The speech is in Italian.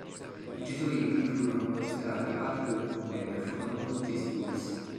I gesuiti furono considerati parte del problema e furono tutti espulsi.